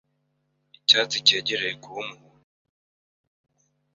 Icyatsi cyegereye kuba umuhondo